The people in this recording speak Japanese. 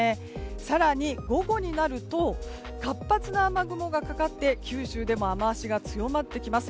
更に午後になると活発な雨雲がかかって九州でも雨脚が強まってきます。